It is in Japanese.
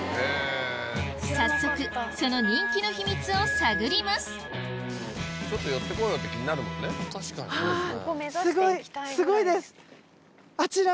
早速その人気の秘密を探りますあっ。